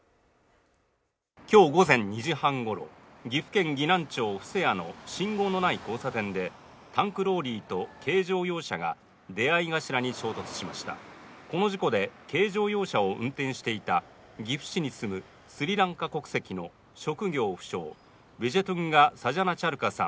きょう午前２時半ごろ岐阜県岐南町伏屋の信号のない交差点でタンクローリーと軽乗用車が出合い頭に衝突しましたこの事故で軽乗用車を運転していた岐阜市に住むスリランカ国籍の職業不詳ウィジェトゥンガ・サジャナ・チャルカさん